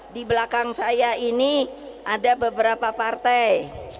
di belakang saya ini ada beberapa partai